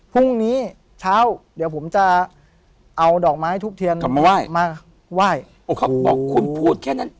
พรุ่งนี้เช้าเดี๋ยวผมจะเอาดอกไม้ทูบเทียนมาไหว้มาไหว้เขาบอกคุณพูดแค่นั้น